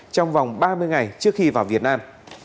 trong vòng ba mươi ngày trước khi vào việt nam